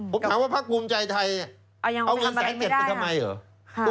ผมถามว่าพักภูมิใจไทยเอาเงินแสนเจ็ดไปทำไมเหรอ